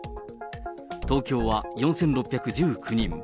東京は４６１９人。